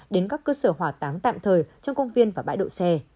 đến các cơ sở hỏa táng tạm thời trong công viên và bãi độ xe